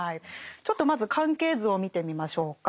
ちょっとまず関係図を見てみましょうか。